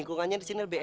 kau lagi injust lu dong